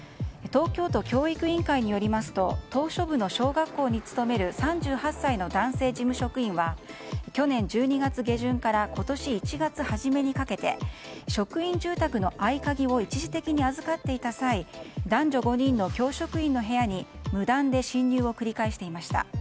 東京都教育委員会によりますと島しょ部の小学校に勤める３８歳の男性事務職員は去年１２月下旬から今年１月初めにかけて職員住宅の合鍵を一時的に預かっていた際男女５人の教職員の部屋に無断で侵入を繰り返していました。